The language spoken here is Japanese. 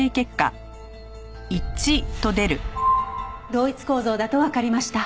同一構造だとわかりました。